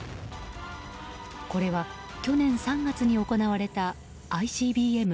これは、去年３月に行われたＩＣＢＭ